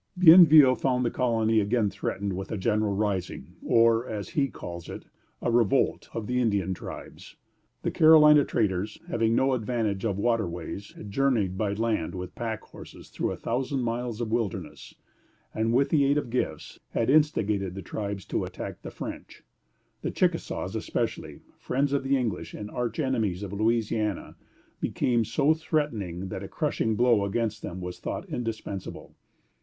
Bienville found the colony again threatened with a general rising, or, as he calls it, a revolt, of the Indian tribes. The Carolina traders, having no advantage of water ways, had journeyed by land with pack horses through a thousand miles of wilderness, and with the aid of gifts had instigated the tribes to attack the French. The Chickasaws especially, friends of the English and arch enemies of Louisiana, became so threatening that a crushing blow against them was thought indispensable.